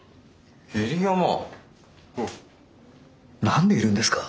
何でいるんですか？